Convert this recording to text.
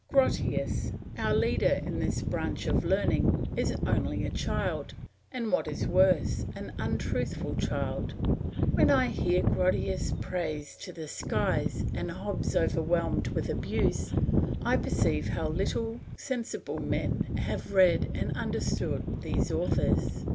Grotius, our leader in this branch of learning, is only a child, and what is worse an untruthful child. When I hear Grotius praised to the skies and Hobbes overwhelmed with abuse, I perceive how little sensible men have read or understood these authors.